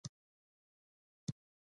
د نبی دعا کې د اردن ځمکه شامله ده.